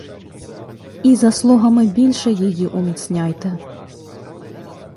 І заслугами більше її уміцняйте.